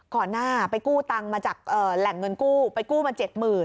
ก่อนหน้าไปกู้ตังค์มาจากแหล่งเงินกู้ไปกู้มา๗๐๐